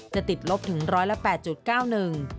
จะติดลบถึง๑๐๘๙๑